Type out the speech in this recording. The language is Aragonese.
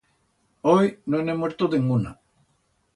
Hoi no en he muerto denguna.